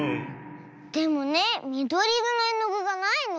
でもねみどりいろのえのぐがないの。